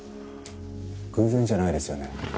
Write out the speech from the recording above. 偶然じゃないですよね？